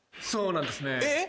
そうなんですね。